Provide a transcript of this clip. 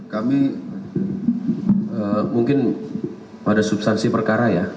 kami mungkin pada substansi perkara ya